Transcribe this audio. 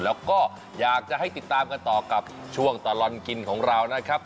แล้วก็อยากจะให้ติดตามกันต่อกับช่วงตลอดกินของเรานะครับ